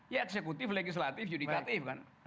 ya eksekutif legislatif yudikatif kan